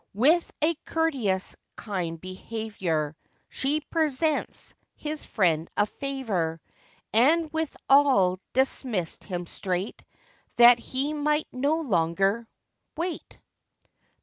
With a courteous kind behaviour, She presents his friend a favour, And withal dismissed him straight, That he might no longer wait.